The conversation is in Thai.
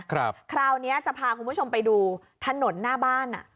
คราวนี้จะพาคุณผู้ชมไปดูถนนหน้าบ้านอ่ะ